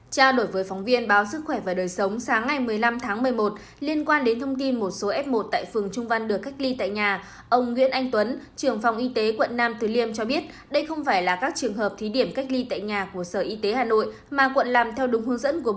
trao đổi với phóng viên báo sức khỏe và đời sống sáng ngày một mươi năm tháng một mươi một liên quan đến thông tin một số f một tại phường trung văn được cách ly tại nhà ông nguyễn anh tuấn trường phòng y tế quận nam từ liêm cho biết đây không phải là các trường hợp thí điểm cách ly tại nhà của sở y tế hà nội mà quận làm theo đúng hướng dẫn của bộ